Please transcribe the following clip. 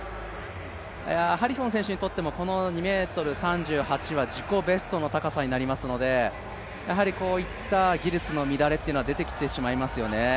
ハリソン選手にとってもこの２ｍ３８は自己ベストの高さになりますので、こういった技術の乱れというのは出てきてしまいますよね。